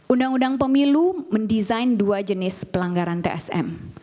undang undang pemilu mendesain dua jenis pelanggaran tsm